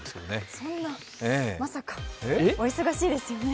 そんな、まさか、お忙しいですよね。